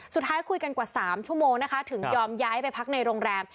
สุดท้ายคุยกันกว่า๓ชั่วโมงนะคะถึงยอมย้ายไปพักในโรงแรม